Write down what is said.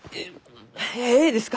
えいですか？